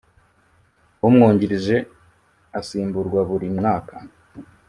umwungirije asimburwa buri myaka